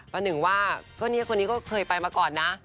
วันหนึ่งว่าก็นี่ก็เคยไปมาก่อนนะ